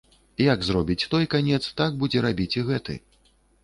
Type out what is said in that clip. Як зробіць той канец, так будзе рабіць і гэты.